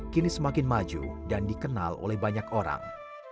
kini semakin maju dan dikenal oleh banyak orang